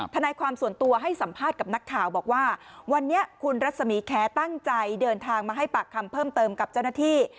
ทนายความส่วนตัวให้สัมภาษณ์กับนักข่าวบอกว่าวันนี้คุณรัศมีแค้ตั้งใจเดินทางมาให้ปากคำเพิ่มเติมกับเจ้าหน้าที่